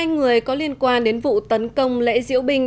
hai mươi hai người có liên quan đến vụ tấn công lễ diễu bình